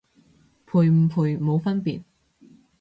賠唔賠冇分別